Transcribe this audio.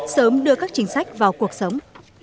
sớm đưa các chính sách vào cuộc sống